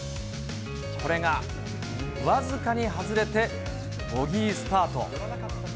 これが僅かに外れて、ボギースタート。